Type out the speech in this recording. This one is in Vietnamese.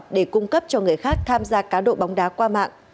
để cung cấp cho người khác tham gia cá độ bóng đá qua mạng